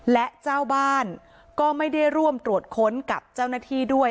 และเจ้าบ้านก็ไม่ได้ร่วมตรวจค้นกับเจ้าหน้าที่ด้วย